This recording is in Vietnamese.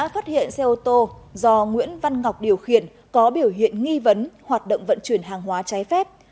phát hiện xe ô tô do nguyễn văn ngọc điều khiển có biểu hiện nghi vấn hoạt động vận chuyển hàng hóa trái phép